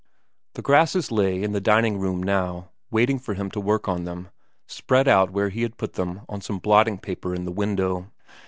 The grasses lay in the dining room now, waiting for him to work on them, spread out where he had put them on some blotting paper in the window.